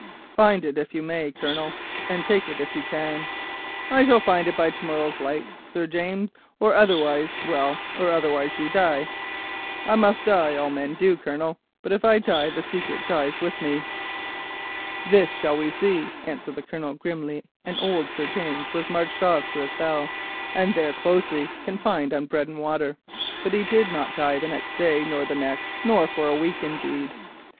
Find it if you may, Colonel, and take it if you can.' "'I shall find it by to morrow's light, Sir James, or otherwise—or otherwise you die.' "'I must die—all men do, Colonel, but if I die, the secret dies with me.' "'This shall we see,' answered the Colonel grimly, and old Sir James was marched off to a cell, and there closely confined on bread and water. But he did not die the next day, nor the next, nor for a week, indeed.